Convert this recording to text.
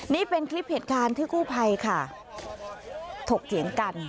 นี่เป็นคลิปเหตุการณ์ที่กู้ภัยค่ะถกเถียงกัน